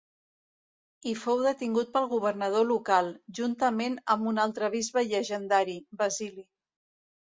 Hi fou detingut pel governador local, juntament amb un altre bisbe llegendari, Basili.